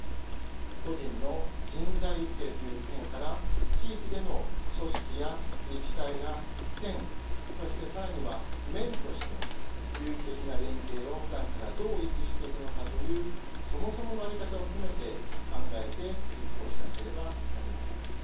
個人の人材育成という点から地域での組織や自治体が線そして更には面として有機的な連携をふだんからどう維持していくのかというそもそもの在り方を含めて考えて実行しなければなりません。